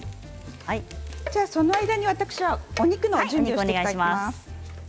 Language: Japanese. その間に私はお肉の準備をしていきます。